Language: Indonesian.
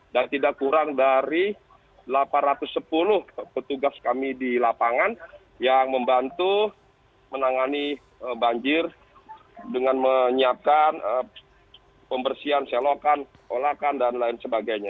dan tidak kurang dari delapan ratus sepuluh petugas kami di lapangan yang membantu menangani banjir dengan menyiapkan pembersihan selokan olakan dan lain sebagainya